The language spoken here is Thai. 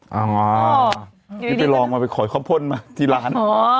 ยินดีแล้วไปลองมาไปขอข้อพลที่ร้าน